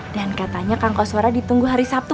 dan katanya kang koswara ditunggu hari sabtu